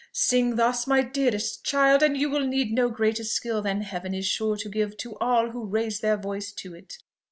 Sing thus, my dearest child, and you will need no greater skill than Heaven is sure to give to all who raise their voice to it.